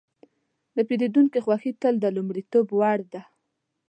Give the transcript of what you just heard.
د پیرودونکي خوښي تل د لومړیتوب وړ ده.